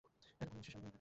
এটা তো কিডন্যাপের সামিল!